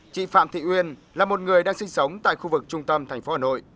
chị phạm thị uyên là một người đang sinh sống tại khu vực trung tâm thành phố hà nội